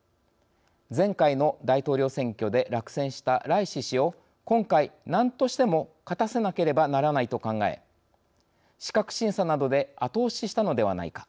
前回の大統領選挙で落選したライシ師を今回、何としても勝たせなければならないと考え資格審査などで後押ししたのではないか。